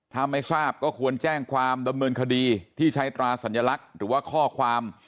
ถ้าไม่ทราบก็ควรแจ้งความดำเนินคดีที่ใช้ตราสัญลักษณ์หรือว่าข้อความ